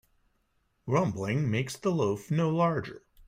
Grumbling makes the loaf no larger.